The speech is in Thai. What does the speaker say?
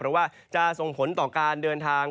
เพราะว่าจะส่งผลต่อการเดินทาง